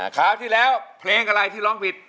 คราวที่แล้วเพลงอะไรที่ร้องผิด